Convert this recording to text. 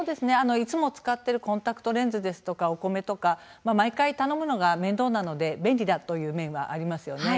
いつも使っているコンタクトレンズですとかお米ですとか毎回、頼むのが面倒なので便利だという面もありますよね。